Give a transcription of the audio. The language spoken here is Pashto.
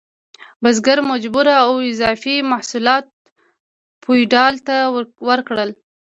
بزګر مجبور و اضافي محصولات فیوډال ته ورکړي.